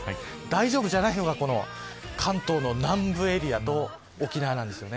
大丈夫じゃないのは関東の南部エリアと沖縄です。